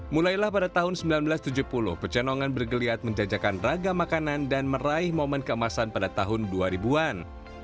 mulailah pada tahun seribu sembilan ratus tujuh puluh pecenongan bergeliat menjajakan raga makanan dan meraih momen keemasan pada tahun dua ribu an